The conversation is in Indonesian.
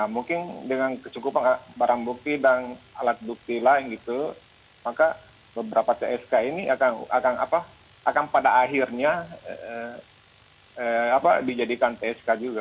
mungkin dengan kecukupan barang bukti dan alat bukti lain gitu maka beberapa csk ini akan pada akhirnya dijadikan psk juga